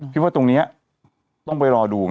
ว่าตรงนี้ต้องไปรอดู